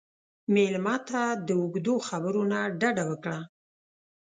مېلمه ته د اوږدو خبرو نه ډډه وکړه.